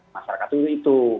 masyarakat itu itu